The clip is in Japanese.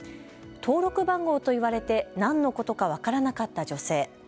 登録番号と言われて何のことか分からなかった女性。